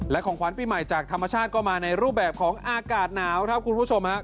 และของขวัญปีใหม่จากธรรมชาติก็มาในรูปแบบของอากาศหนาวครับคุณผู้ชมฮะ